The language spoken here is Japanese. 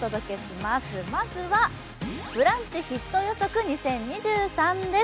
まずはブランチヒット予測２０２３です。